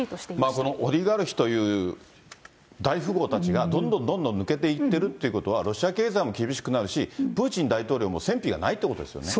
このオリガルヒという大富豪たちが、どんどんどんどん抜けていってるってことは、ロシア経済も厳しくなるし、プーチン大統領も戦費がないっていうことですよね。